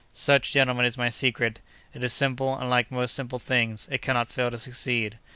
"Such, gentlemen, is my secret. It is simple, and, like most simple things, it cannot fail to succeed.